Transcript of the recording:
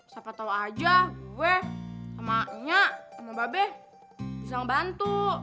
siapa tau aja gue sama anya sama babe bisa ngebantu